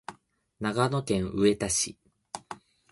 長野県上田市